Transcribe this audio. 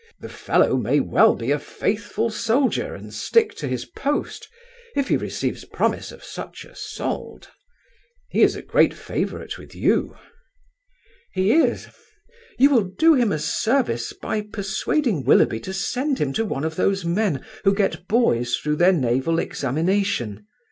"The fellow may well be a faithful soldier and stick to his post, if he receives promise of such a solde. He is a great favourite with you." "He is. You will do him a service by persuading Willoughby to send him to one of those men who get boys through their naval examination.